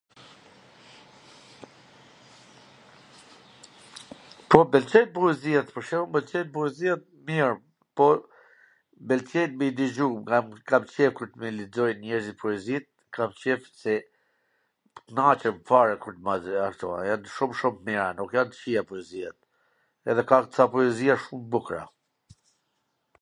Po, m pwlqen poezia, pwr shwmbull, mw pwlqen poezia t mir, po m pwlqen me i digju, kam qef kur m i lexojn njerzit poezit, kam qef se knaqem fare, kur ma ... ashtu, jan shum, shum t mira, nuk jan t kwqia poeziat, edhe kam ca poezia shum t bukra.